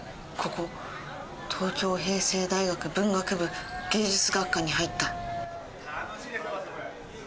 ここ東京平成大学文学部芸術学科に入った。